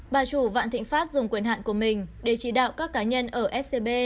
bà chủ vạn thịnh pháp dùng quyền hạn của mình để chỉ đạo các cá nhân ở scb